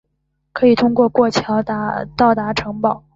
可以通过过桥到达城堡。